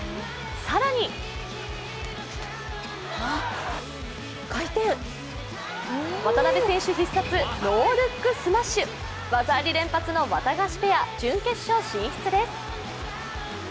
更に渡辺選手必殺、ノールックスマッシュ、技あり連発のわたがしペア準決勝進出です。